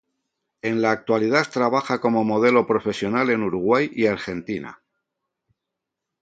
En la actualidad trabaja como modelo profesional en Uruguay y Argentina.